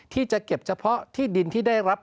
ที่จะเก็บเฉพาะที่ดินที่ได้รับ